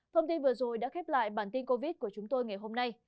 thông tin vừa rồi đã khép lại bản tin covid của chúng tôi ngày hôm nay